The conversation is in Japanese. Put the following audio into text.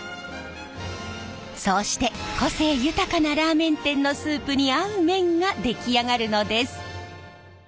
そうして個性豊かなラーメン店のスープに合う麺が出来上がるのです。